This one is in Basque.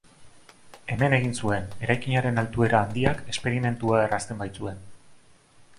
Hemen egin zuen, eraikinaren altuera handiak, esperimentua errazten baitzuen.